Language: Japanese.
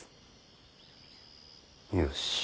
よし。